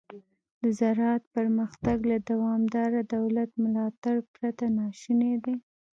د زراعت پرمختګ له دوامداره دولت ملاتړ پرته ناشونی دی.